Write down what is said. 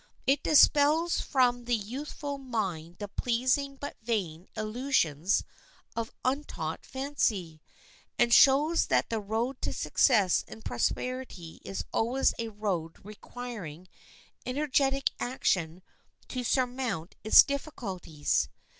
It dispels from the youthful mind the pleasing, but vain, illusions of untaught fancy, and shows that the road to success and prosperity is always a road requiring energetic action to surmount its difficulties.